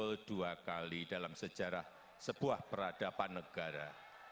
tidak akan muncul dua kali dalam sejarah sebuah peradaban negara